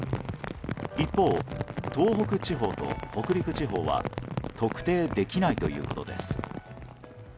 一方、東北地方と北陸地方は特定できないということです。